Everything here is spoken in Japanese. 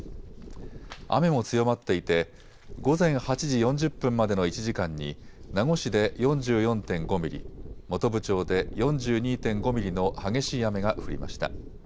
雨も強まっていて午前８時４０分までの１時間に名護市で４４．５ミリ、本部町で４２．５ミリの激しい雨が降りました。